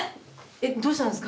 えっどうしたんですか？